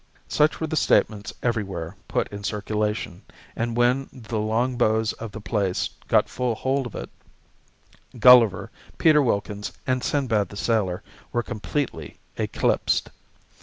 Such were the statements everywhere put in circulation; and when the Longbows of the place got full hold of it, Gulliver, Peter Wilkins, and Sinbad the Sailor were completely eclipsed.